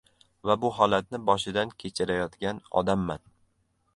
va bu holatni boshidan kechirayotgan odamman.